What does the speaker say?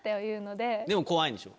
でも怖いんでしょ？